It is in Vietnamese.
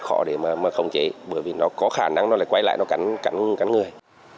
khó để mà không chế bởi vì nó có khả năng nó lại quay lại nó cắn người